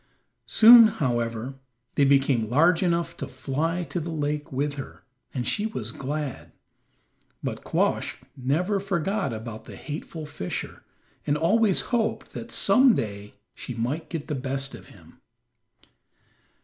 Soon, however, they became large enough to fly to the lake with her, and she was glad. But Quoskh never forgot about the hateful fisher, and always hoped that some day she might get the best of him.